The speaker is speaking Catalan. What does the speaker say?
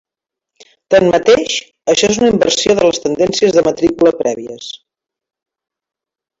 Tanmateix, això és una inversió de les tendències de matrícula prèvies.